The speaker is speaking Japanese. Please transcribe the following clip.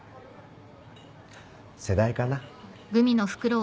世代かな。